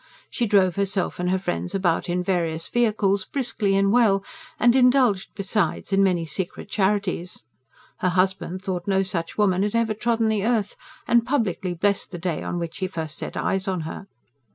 She drove herself and her friends about in various vehicles, briskly and well, and indulged besides in many secret charities. Her husband thought no such woman had ever trodden the earth, and publicly blessed the day on which he first set eyes on her.